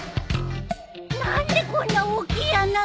何でこんな大きい穴が？